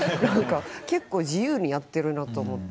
結構自由にやってるなと思って。